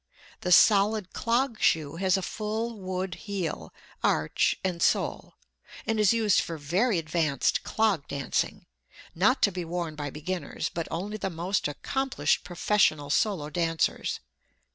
The solid clog shoe has a full wood heel, arch and sole, and is used for very advanced clog dancing; not to be worn by beginners, but only the most accomplished professional solo dancers.